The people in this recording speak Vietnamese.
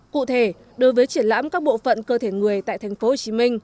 cụ thể đối với triển lãm các bộ phận cơ thể người tại tp hcm